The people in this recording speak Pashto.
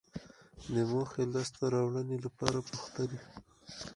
د موخې لاسته راوړنې لپاره پوښتنې